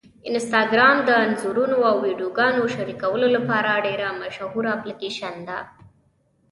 انسټاګرام د انځورونو او ویډیوګانو شریکولو لپاره ډېره مشهوره اپلیکېشن ده.